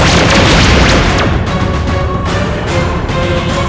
kamu lagi tak triple